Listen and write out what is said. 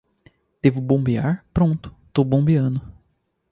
Devo bombear. Pronto, tô bombeando